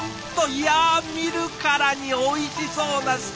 いや見るからにおいしそうなすき焼き！